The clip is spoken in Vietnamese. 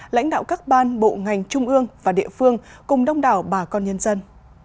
lãnh đạo các ban bộ ngành trung ương và địa phương cùng đông đảo bà con nhân dân